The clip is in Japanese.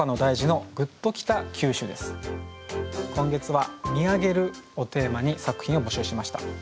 題して今月は「見上げる」をテーマに作品を募集しました。